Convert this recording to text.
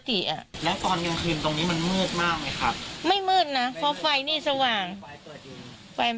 อ๋อแต่ไฟปิดประมาณ๕ทุ่ม